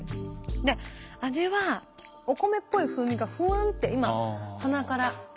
で味はお米っぽい風味がふわんって今鼻から抜けてきてます。